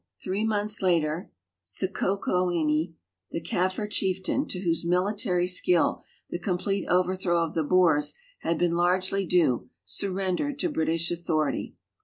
Three months later Secocoeni, the Kaffir chieftain to whose military skill the com ]>lete overthrow of the Boers had l)een largelv due, surrendered to British authority.